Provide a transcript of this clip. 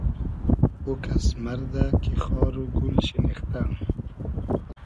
او کئس مئردۂ کی خار و گول شینیختۂ